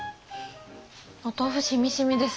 お豆腐しみしみです。